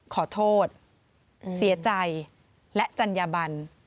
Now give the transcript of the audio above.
ขอโทษเสียใจและจัญญบัน